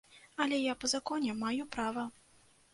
Але я па законе маю права.